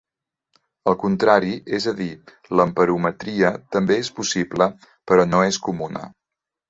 El contrari, és a dir, l'amperometria, també és possible però no és comuna.